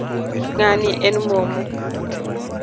Ngani en momo